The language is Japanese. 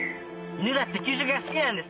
犬だって給食が好きなんです！